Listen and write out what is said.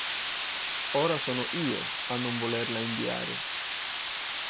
Ora sono "Io" a non volerla inviare.